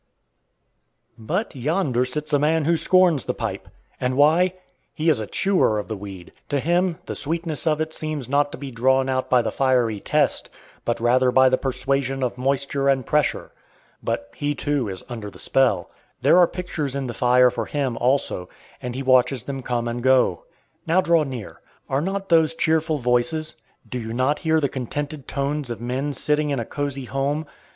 But yonder sits a man who scorns the pipe and why? He is a chewer of the weed. To him, the sweetness of it seems not to be drawn out by the fiery test, but rather by the persuasion of moisture and pressure. But he, too, is under the spell. There are pictures in the fire for him, also, and he watches them come and go. Now draw near. Are not those cheerful voices? Do you not hear the contented tones of men sitting in a cosy home?